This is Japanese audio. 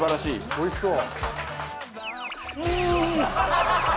おいしそう。